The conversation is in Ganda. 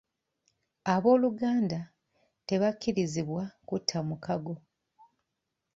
Ab'oluganda tebakkirizibwa kutta mukago.